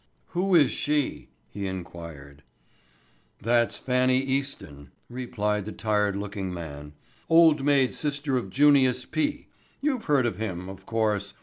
"Who is she?" he inquired. "That's Fannie Easton," replied the tired looking man. "Old maid sister of Junius P. You've heard of him, of course.